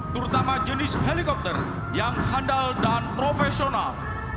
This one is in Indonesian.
terutama jenis helikopter yang handal dan profesional